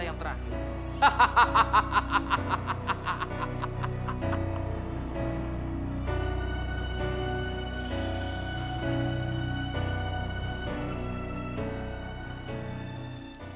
yang terakhir hahaha hahaha